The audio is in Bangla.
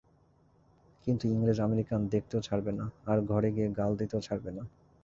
কিন্তু ইংরেজ আমেরিকান দেখতেও ছাড়বে না, আর ঘরে গিয়ে গাল দিতেও ছাড়বে না।